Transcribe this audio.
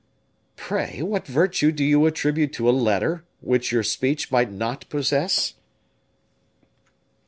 "Pray, what virtue do you attribute to a letter, which your speech might not possess?"